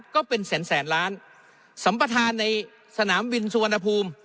ก็เป็นแสนแสนล้านสัมประธานในสนามบินสุวรรณภูมิ